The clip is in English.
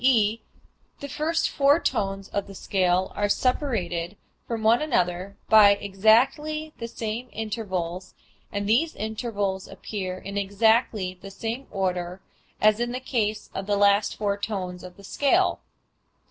e._, the first four tones of the scale are separated from one another by exactly the same intervals and these intervals appear in exactly the same order as in the case of the last four tones of the scale.